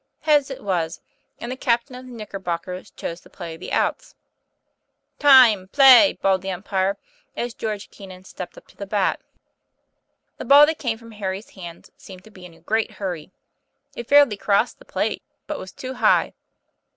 Heads it was, and the captain of the Knicker bockers chose the "outs." "Time! Play!" bawled the umpire, as George Keenan stepped up to the bat. The ball that came from Harry's hands seemed to be in a great hurry. It fairly crossed the plate, but was too high.